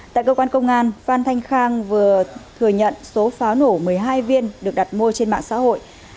tại cơ quan công an phan thanh khang vừa thừa nhận số pháo nổ một mươi hai viên được đặt mua trên mạng xã hội